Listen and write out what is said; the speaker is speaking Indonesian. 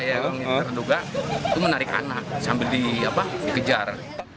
yang terduga itu menarik anak sambil dikejar